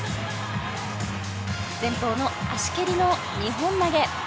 前方の足蹴りの２本投げ。